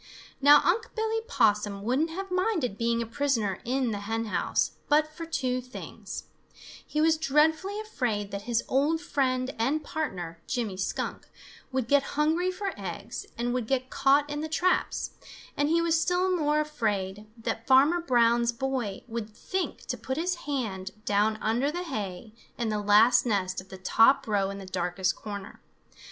Now Unc' Billy Possum wouldn't have minded being a prisoner in the hen house but for two things; he was dreadfully afraid that his old friend and partner, Jimmy Skunk, would get hungry for eggs and would get caught in the traps, and he was still more afraid that Farmer Brown's boy would think to put his hand down under the hay in the last nest of the top row in the darkest corner.